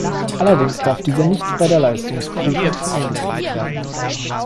Allerdings darf dieser nicht bei der Leistungsprüfung eingesetzt werden.